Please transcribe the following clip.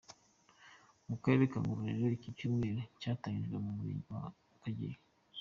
Mu karere ka Ngororero, iki cyumweru cyatangirijwe mu Murenge wa Kageyo.